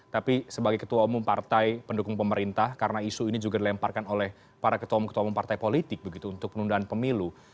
tapi sebagai ketua umum partai pendukung pemerintah karena isu ini juga dilemparkan oleh para ketua umum ketua umum partai politik begitu untuk penundaan pemilu